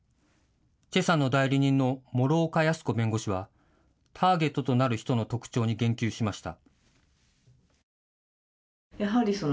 崔さんの代理人の師岡康子弁護士はターゲットとなる人の特徴に言及しました。